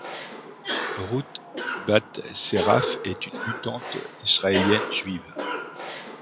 Ruth Bat-Seraph est une mutante israélienne juive.